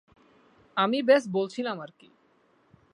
আমি ব্যস বলছিলাম আরকি।